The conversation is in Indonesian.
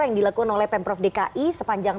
yang dilakukan oleh pemprov dki sepanjang